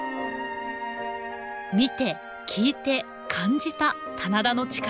見て聞いて感じた「棚田の力」。